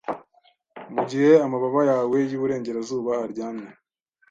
mugihe amababa yawe yiburengerazuba aryamye